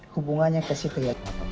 hubungannya ke sifat